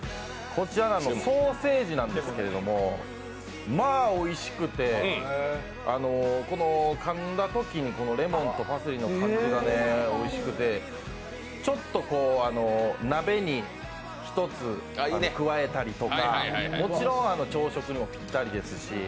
こちらソーセージなんですけど、まあおいしくて、このかんだときにレモンとパセリの感じがおいしくてちょっと鍋に１つ加えたりとか、もちろん朝食にもぴったりですし。